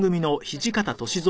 土方歳三。